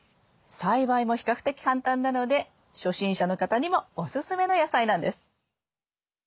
栽培も比較的簡単なので初心者の方にもおすすめの野菜なんです。